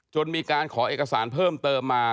มีการขอเอกสารเพิ่มเติมมา